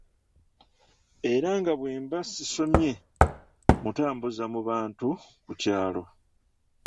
Era nga bwemba sisomye mmutambuza mu bantu ku kyalo.